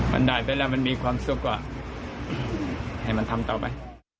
มันได้ไปแล้วมันมีความสุขให้มันทำต่อไป